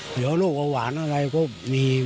เดี๋ยวโรคเบาหวานอะไรก็มี